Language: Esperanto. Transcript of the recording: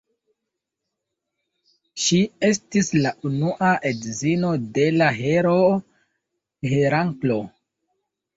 Ŝi estis la unua edzino de la heroo Heraklo.